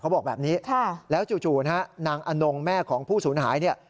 บอกแบบนี้แล้วจู่นะฮะนางอนงแม่ของผู้สูญหายเนี่ย